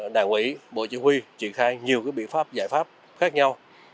đảng ủy bộ chỉ huy triển khai nhiều biện pháp giải pháp khác nhau